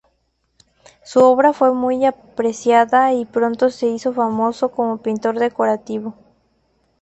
Su obra fue muy apreciada y pronto se hizo famoso como pintor decorativo.